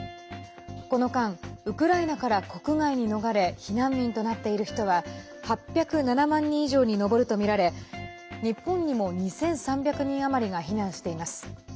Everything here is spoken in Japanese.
この間ウクライナから国外に逃れ避難民となっている人は８０７万人以上に上るとみられ日本にも２３００人余りが避難しています。